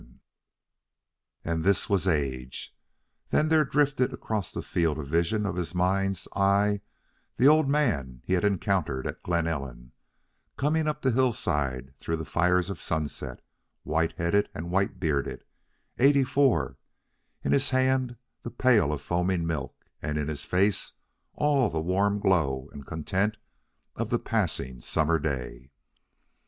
And this was age. Then there drifted across the field of vision of his mind's eye the old man he had encountered at Glen Ellen, corning up the hillside through the fires of sunset, white headed and white bearded, eighty four, in his hand the pail of foaming milk and in his face all the warm glow and content of the passing summer day.